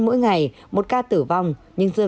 mỗi ngày một ca tử vong nhưng dươi